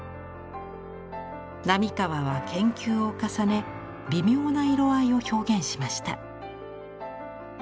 並河は研究を重ね微妙な色合いを表現しました。